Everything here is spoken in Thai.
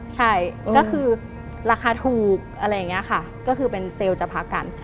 ใช่ก็คือราคาถูกอะไรอย่างนี้ค่ะก็คือเป็นเซลล์จะพักกัน